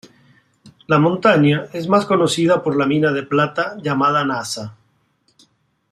La montaña es más conocida por la mina de plata llamada Nasa.